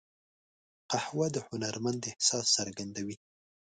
قهوه د هنرمند احساس څرګندوي